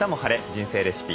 人生レシピ」